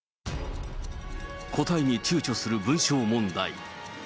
答えにちゅうちょする文章問題。